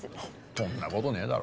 そんな事ねえだろ。